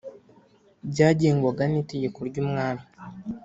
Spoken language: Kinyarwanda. byagengwaga n’itegeko ry’umwami